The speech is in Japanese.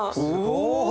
すごい！お！